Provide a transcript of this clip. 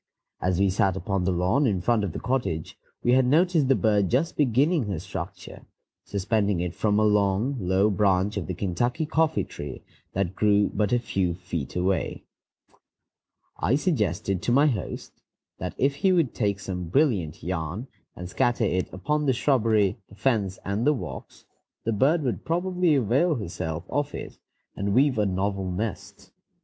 As we sat upon the lawn in front of the cottage, we had noticed the bird just beginning her structure, suspending it from a long, low branch of the Kentucky coffee tree that grew but a few feet away. I suggested to my host that if he would take some brilliant yarn and scatter it about upon the shrubbery, the fence, and the walks, the bird would probably avail herself of it, and weave a novel nest.